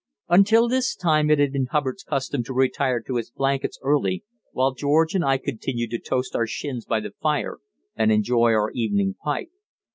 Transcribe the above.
Until this time it had been Hubbard's custom to retire to his blankets early, while George and I continued to toast our shins by the fire and enjoy our evening pipe.